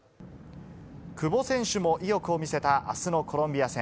久保選手も意欲を見せた、あすのコロンビア戦。